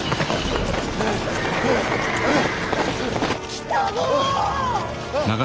来たぞ！